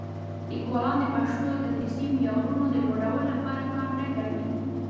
لیکوالان د پښتو د تدریسي معیارونو د لوړولو لپاره کار نه کوي.